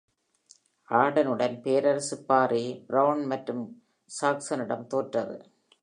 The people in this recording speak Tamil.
ஆர்டனுடன் பேரரசு பாரி, பிரவுன் மற்றும் சாக்சனிடம் தோற்றது.